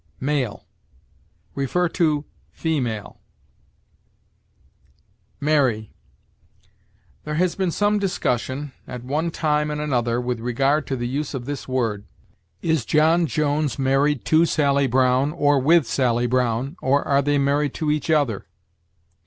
MALE. See FEMALE. MARRY. There has been some discussion, at one time and another, with regard to the use of this word. Is John Jones married to Sally Brown or with Sally Brown, or are they married to each other?